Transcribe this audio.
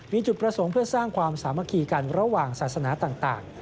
มีจุดประสงค์เพื่อสร้างความสามัคคีกันระหว่างศาสนาต่าง